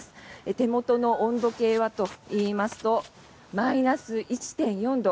手元の温度計はといいますとマイナス１．４度。